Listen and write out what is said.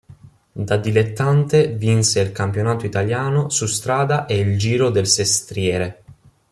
Da dilettante vinse il campionato italiano su strada e il Giro del Sestriere.